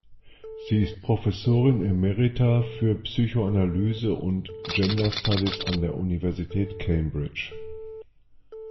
Sie ist Professorin emerita für Psychoanalyse und Gender Studies an der Universität Cambridge.